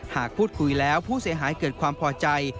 หากพูดคุยแล้วผู้เสียหายเกิดความพอใจ